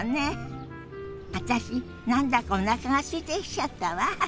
私何だかおなかがすいてきちゃったわ。